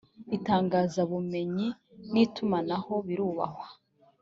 itangazabumenyi n ‘itumanaho birubahwa.